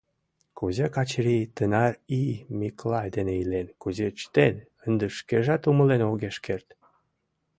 Кузе Качырий тынар ий Миклай дене илен, кузе чытен — ынде шкежат умылен огеш керт.